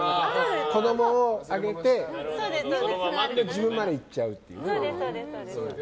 子供をあげて自分まで行っちゃうっていう。